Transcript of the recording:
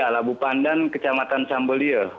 labu pandan kecamatan sambelia